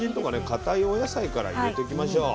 かたいお野菜から入れてきましょう。